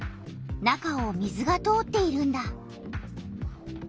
中を水が通っているんだ。